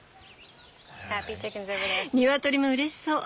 ニワトリもうれしそう。